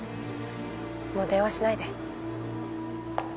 もう電話しないで。